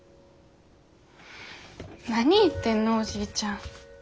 何言ってんのおじいちゃん。